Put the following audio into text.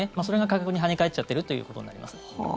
それが価格に跳ね返っちゃってるということになります。